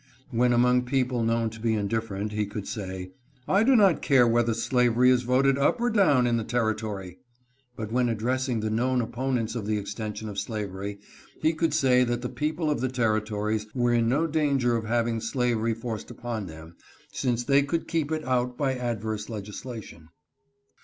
When among people known to be indifferent he could say, " I do not care whether slavery is voted up or down in the territory," but when address ing the known opponents of the extension of slavery, he could say that the people of the territories were in no danger of having slavery forced upon them, since they INTIMIDATION BY THE SOUTH. 399 could keep it out by adverse legislation.